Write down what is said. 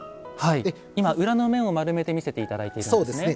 今裏の面を丸めて見せて頂いているんですね。